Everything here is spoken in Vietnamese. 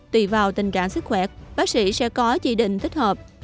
tùy vào tình trạng sức khỏe bác sĩ sẽ có chỉ định thích hợp